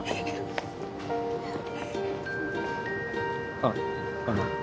あっあの。